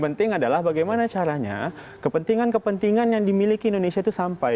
penting adalah bagaimana caranya kepentingan kepentingan yang dimiliki indonesia itu sampai